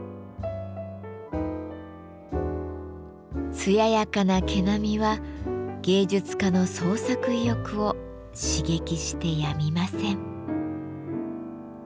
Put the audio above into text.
艶やかな毛並みは芸術家の創作意欲を刺激してやみません。